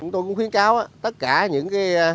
tôi cũng khuyến cáo tất cả những